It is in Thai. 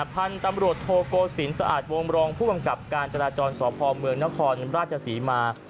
พันธุ์ตำรวจโทโกศิลปอาดวงรองผู้กำกับการจราจรสพเมืองนครราชศรีมา